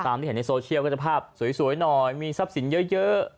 ที่เห็นในโซเชียลก็จะภาพสวยหน่อยมีทรัพย์สินเยอะ